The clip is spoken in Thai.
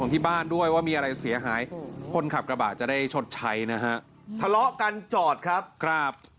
ธะเลาะกันจอดครับ